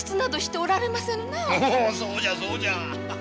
おおそうじゃそうじゃ。